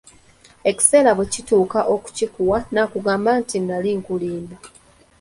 Ekiseera bwe kituuka okukikuwa nakugamba nti nnali nkulimba.